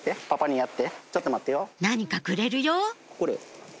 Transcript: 何かくれるよ